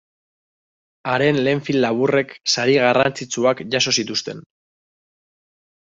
Haren lehen film laburrek sari garrantzitsuak jaso zituzten.